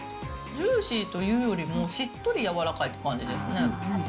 ジューシーというよりも、しっとりやわらかいという感じですね。